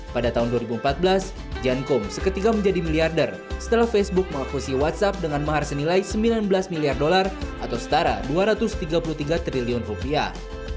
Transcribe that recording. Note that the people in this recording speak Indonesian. pada tahun dua ribu empat belas jan koom seketika menjadi miliarder setelah facebook mengakusi whatsapp dengan mahar senilai sembilan belas miliar dolar atau setara dua ratus tiga puluh tiga triliun rupiah